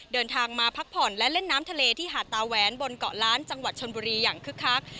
เดินทางมาพักผ่อนและเล่นน้ำทะเลที่หาดตาแหวนบนเกาะล้านจังหวัดชนบุรีอย่างคึกคัก